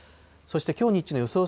そしてきょう日中の予想